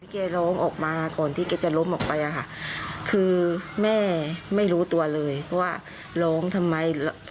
เมื่อกี้โรงออกมาก่อนที่จะล้มออกไปค่ะคือแม่ไม่รู้ตัวเลยว่าโรงทำไม